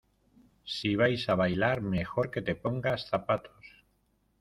si vais a bailar, mejor que te pongas zapatos.